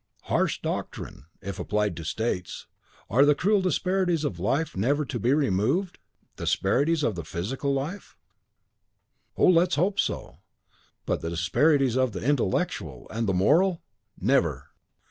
"Harsh doctrine, if applied to states. Are the cruel disparities of life never to be removed?" "Disparities of the PHYSICAL life? Oh, let us hope so. But disparities of the INTELLECTUAL and the MORAL, never!